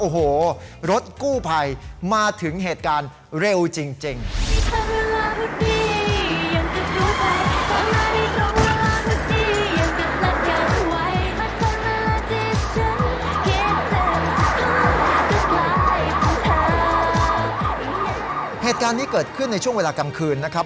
เหตุการณ์นี้เกิดขึ้นในช่วงเวลากลางคืนนะครับ